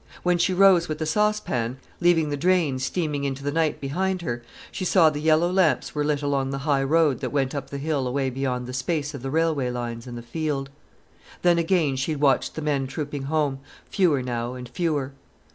When she rose with the saucepan, leaving the drain steaming into the night behind her, she saw the yellow lamps were lit along the high road that went up the hill away beyond the space of the railway lines and the field. Then again she watched the men trooping home, fewer now and fewer.